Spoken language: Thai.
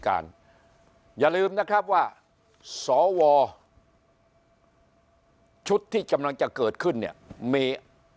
การอย่าลืมนะครับว่าสวชุดที่กำลังจะเกิดขึ้นเนี่ยมี